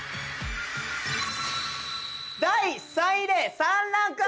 第３位で３ランクアップ。